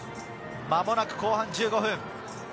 間もなく後半１５分。